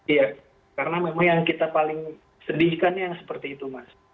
iya karena memang yang kita paling sedihkan yang seperti itu mas